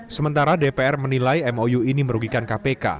sementara dpr menilai mou ini merugikan kpk